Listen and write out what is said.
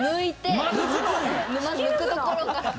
まず抜くところから。